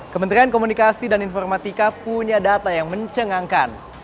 kementerian komunikasi dan informatika punya data yang mencengangkan